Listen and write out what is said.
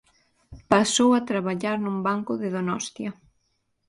Pasou a traballar nun banco de Donostia.